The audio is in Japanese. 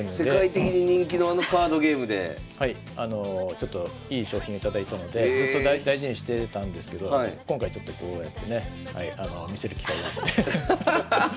ちょっといい賞品頂いたのでずっと大事にしてたんですけど今回ちょっとこうやってね見せる機会があって。